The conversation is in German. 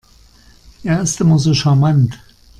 Er ist immer so charmant.